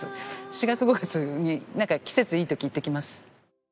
４月５月になんか季節いい時行ってきます。